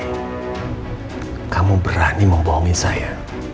jadi kamu berani membohongi saya